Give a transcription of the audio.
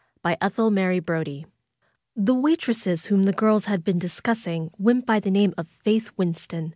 CHAPTER II The waitress whom the girls had been discussing went by the name of Faith Winston.